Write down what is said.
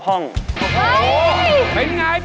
คุณแคลรอนครับ